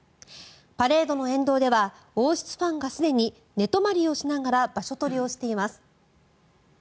パレードの沿道では王室ファンがすでに寝泊まりをしながら場所取りをしています。